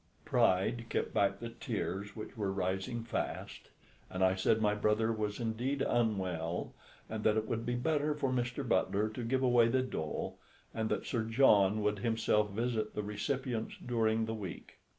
Pride kept back the tears which were rising fast, and I said my brother was indeed unwell, that it would be better for Mr. Butler to give away the dole, and that Sir John would himself visit the recipients during the week.